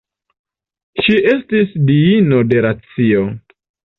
Ŝi estis diino de racio.